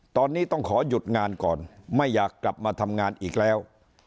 ตอนนี้ต้องขอหยุดงานก่อนไม่อยากกลับมาทำงานอีกแล้ว